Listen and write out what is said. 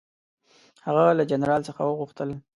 هغه له جنرال څخه وغوښتل.